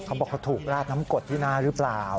เขาบอกเขาถูกราดน้ำกดที่หน้าหรือเปล่า